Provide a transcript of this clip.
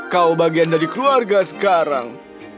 kau bagian dari keluarga sekarang